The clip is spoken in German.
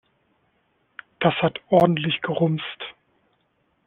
Das hat ordentlich gerumst.